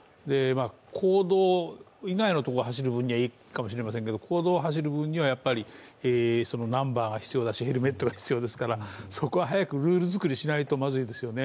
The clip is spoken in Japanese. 公道以外のところを走るときにはいいかもしれませんけど公道を走るときにはやっぱりナンバーが必要だしヘルメットが必要ですからそこは早くルール作りしないとまずいですよね。